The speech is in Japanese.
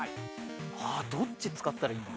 あっどっち使ったらいいんだろ？